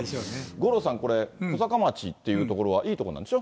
五郎さん、これ、小坂町という所はいいとこなんでしょ。